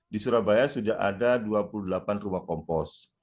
di surabaya sudah ada dua puluh delapan rumah kompos